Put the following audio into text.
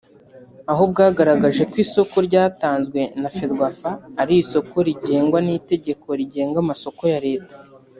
Aho bwagaragaje ko isoko ryatanzwe na Ferwafa ari isoko rigengwa n’itegeko rigenga amasoko ya leta